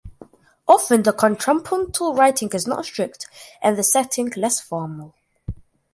Often the contrapuntal writing is not strict, and the setting less formal.